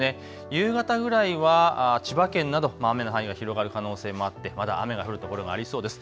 夕方ぐらいは千葉県など雨の範囲が広がる可能性もあってまだ雨が降る所がありそうです。